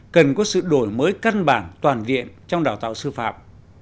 cần có sự đổi mới căn bản toàn diện trong đào tạo sư phạm